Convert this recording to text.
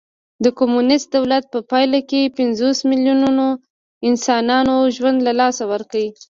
د کمونېستي دولت په پایله کې پنځوس میلیونو انسانانو ژوند له لاسه ورکړ